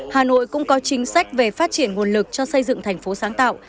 hà nội cũng có chính sách về phát triển nguồn lực cho xây dựng thành phố sáng tạo